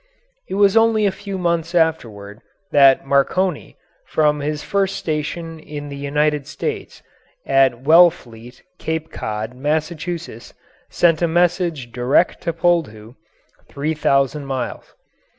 It was only a few months afterward that Marconi, from his first station in the United States, at Wellfleet, Cape Cod, Mass., sent a message direct to Poldhu, three thousand miles.